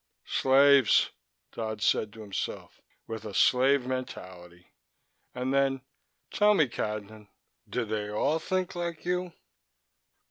"Slaves," Dodd said to himself. "With a slave mentality." And then: "Tell me, Cadnan, do they all think like you?"